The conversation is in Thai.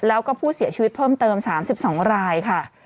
แล้วก็ผู้เสียชีวิตเพิ่มเติม๓๒รายค่ะ